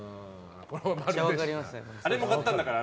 あれも買ったんだから。